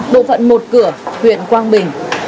bộ phận một cửa huyện quang bình